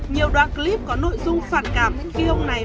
nhiều đoạn clip có nội dung phản cảm những khi ông này